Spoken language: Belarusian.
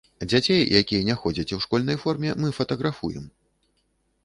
Дзяцей, якія не ходзяць у школьнай форме, мы фатаграфуем.